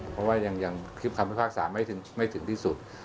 เพราะว่ายังคลิปคำพิพากษาไม่ถึงที่สุด